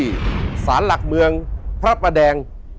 สาหร่างหลักเมืองพระปะแดง